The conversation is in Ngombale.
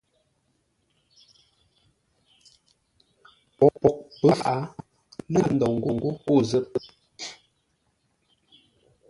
Poghʼ pə̌ fǎʼ lə́ ndághʼ ndou ńgó o zə̂t.